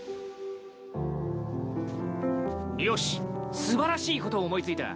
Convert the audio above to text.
よし素晴らしいことを思い付いた。